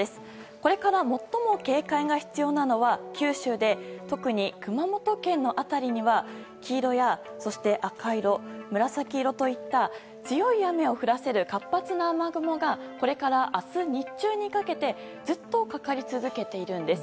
これから最も警戒が必要なのは九州で特に熊本県の辺りには黄色やそして赤色、紫色といった強い雨を降らせる活発な雨雲がこれから明日日中にかけてずっとかかり続けているんです。